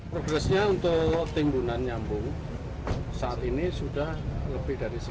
progresnya untuk timbunan nyambung saat ini sudah lebih dari sembilan puluh lima persen